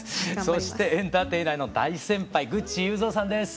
そしてエンターテイナーの大先輩グッチ裕三さんです。